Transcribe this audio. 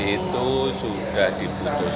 itu sudah dibuat